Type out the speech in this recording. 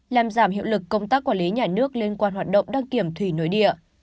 làm giảm hiệu lực công tác quản lý nhà nước liên quan hoạt động đăng kiểm thủy nội địa